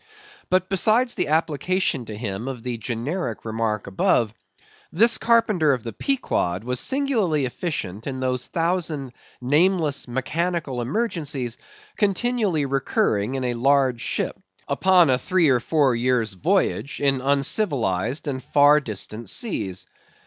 But, besides the application to him of the generic remark above, this carpenter of the Pequod was singularly efficient in those thousand nameless mechanical emergencies continually recurring in a large ship, upon a three or four years' voyage, in uncivilized and far distant seas.